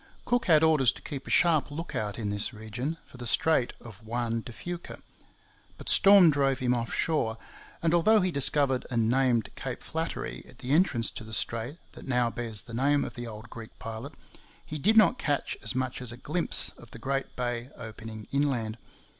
Cook had orders to keep a sharp look out in this region for the strait of Juan de Fuca; but storm drove him off shore, and, although he discovered and named Cape Flattery at the entrance to the strait that now bears the name of the old Greek pilot, he did not catch as much as a glimpse of the great bay opening inland.